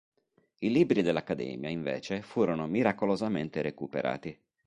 I libri dell'accademia invece furono miracolosamente recuperati.